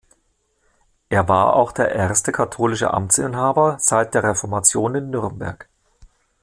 Er war auch der erste katholische Amtsinhaber seit der Reformation in Nürnberg.